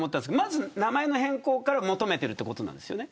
まず、名前の変更から求めてるということですよね。